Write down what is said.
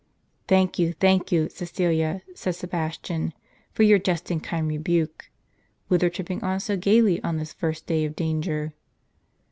"Thank you, thank you, Cascilia," said Sebastian, "for your just and kind rebuke. Whither tripping on so gaily on this first day of danger?